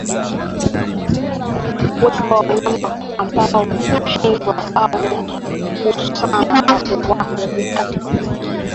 Uwepo wa wanyama ambao hawajachanjwa au waliogusana na walioathirika